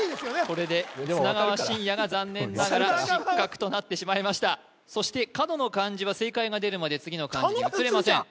これで砂川信哉が残念ながら失格となってしまいましたそして角の漢字は正解が出るまで次の漢字に移れません